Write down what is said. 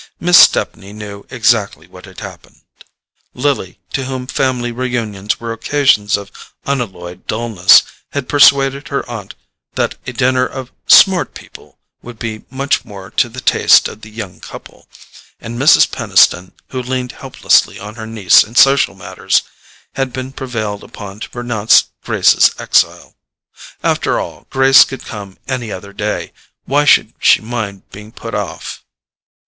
Miss Stepney knew exactly what had happened. Lily, to whom family reunions were occasions of unalloyed dulness, had persuaded her aunt that a dinner of "smart" people would be much more to the taste of the young couple, and Mrs. Peniston, who leaned helplessly on her niece in social matters, had been prevailed upon to pronounce Grace's exile. After all, Grace could come any other day; why should she mind being put off?